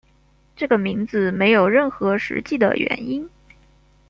这个名字没有任何实际的原因。